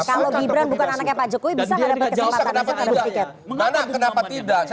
kalau gibran bukan anaknya pak jokowi bisa gak ada kesempatan